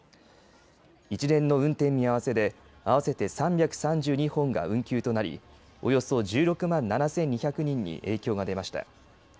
一連の運転見合わせで合わせて３３２本が運休となりおよそ１６万７２００人に影響が出ました。